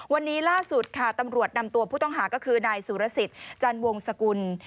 วันนี้ล่าสุดค่ะตำรวจนำตัวผู้ต้องหาก็คือนายสุรสิทธิ์จันวงสกุล